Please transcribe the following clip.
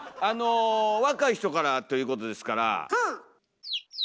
あの若い人からということですから。